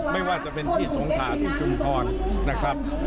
ไม่ว่าจะเป็นที่สงสัจหรือจุงฟลนะครับ